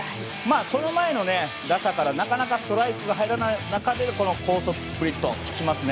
その前の打者からなかなかストライクが入らない中で高速スプリット、ききますね。